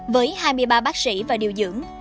với hai mươi ba bác sĩ và điều dưỡng